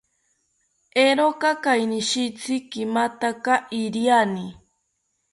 Eeroka kainishitzi kimataka iriani